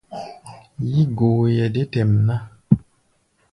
Yí-goeʼɛ dé tɛʼm ná.